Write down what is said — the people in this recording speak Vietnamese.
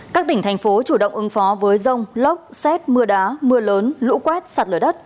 các tỉnh thành phố chủ động ứng phó với rông lốc xét mưa đá mưa lớn lũ quét sạt lở đất